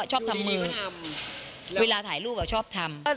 ชอบทำมือทำเวลาถ่ายรูปชอบทำ